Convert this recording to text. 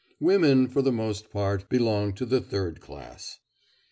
Women, for the most part, belong to the third class.